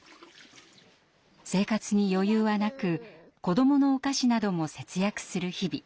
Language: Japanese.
生活に余裕はなく子どものお菓子なども節約する日々。